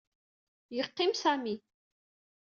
Yeqqim Sami.